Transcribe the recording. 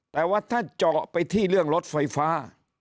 แต่ว่าถ้าเจาะไปที่เรื่องรถไฟฟ้า